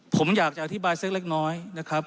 ผมอยากจะอธิบายสักเล็กน้อยนะครับ